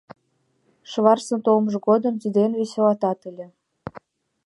Шварцын толмыж годым тиде эн весела тат ыле.